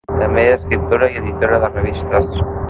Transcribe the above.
També era escriptora i editora de revistes.